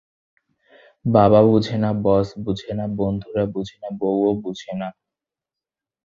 বাবা বুঝেনা, বস বুঝেনা, বন্ধুরা বুঝেনা, বউও বুঝেনা।